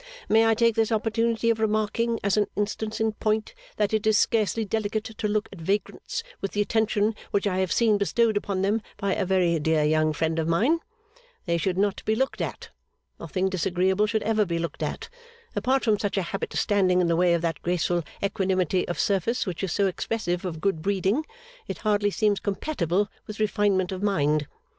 May I take this opportunity of remarking, as an instance in point, that it is scarcely delicate to look at vagrants with the attention which I have seen bestowed upon them by a very dear young friend of mine? They should not be looked at. Nothing disagreeable should ever be looked at. Apart from such a habit standing in the way of that graceful equanimity of surface which is so expressive of good breeding, it hardly seems compatible with refinement of mind.